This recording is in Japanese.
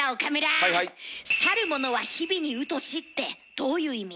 「去る者は日々に疎し」ってどういう意味？